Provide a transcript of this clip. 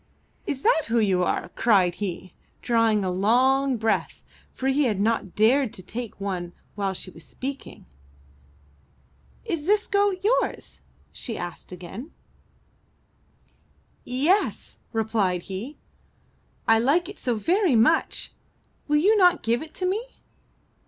*'Is that who you are?" cried he, drawing a long breath, for he had not dared to take one while she was speaking. *'Is this goat yours?" she asked again. 359 MY BOOK HOUSE ''Ye es!" replied he. "I like it so very much. Will you not give it to me?''